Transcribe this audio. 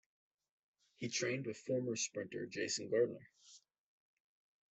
He trained with former sprinter Jason Gardener.